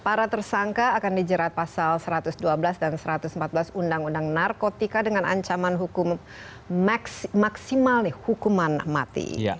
para tersangka akan dijerat pasal satu ratus dua belas dan satu ratus empat belas undang undang narkotika dengan ancaman hukuman mati